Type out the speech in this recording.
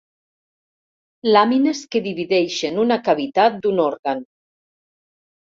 Làmines que divideixen una cavitat d'un òrgan.